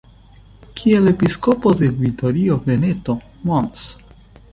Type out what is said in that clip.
Kiel Episkopo de Vittorio Veneto, Mons.